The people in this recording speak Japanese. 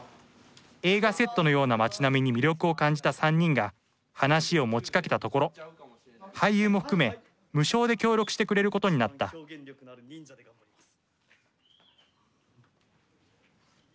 映画セットのような町並みに魅力を感じた３人が話を持ちかけたところ俳優も含め無償で協力してくれることになった表現力のある忍者で頑張ります。